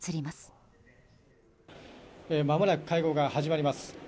まもなく会合が始まります。